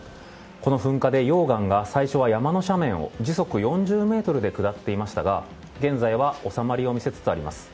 この噴火で溶岩が最初は山の斜面を時速４０メートルで下っていましたが現在は収まりを見せつつあります。